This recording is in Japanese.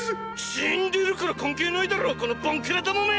死んでるから関係ないだろこのボンクラどもめ！！